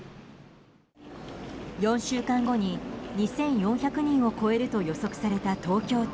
４週間後に２４００人を超えると予測された東京都。